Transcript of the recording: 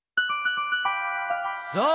そう！